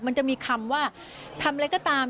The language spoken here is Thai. มันจะมีคำว่าทำอะไรก็ตาม